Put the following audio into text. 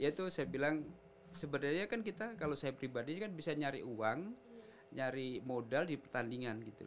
ya itu saya bilang sebenarnya kan kita kalau saya pribadi kan bisa nyari uang nyari modal di pertandingan gitu